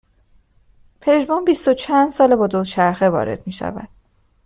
پژمان بیست و چند ساله با دوچرخه وارد میشود